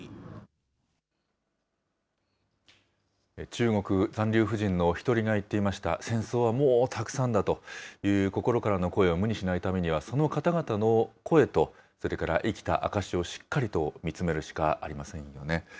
中国残留婦人の１人が言っていました、戦争はもうたくさんだという心からの声を無にしないためには、その方々の声と、それから生きた証しをしっかりと見つめるしかありませんよね。